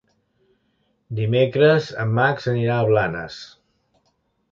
Dimecres en Max anirà a Blanes.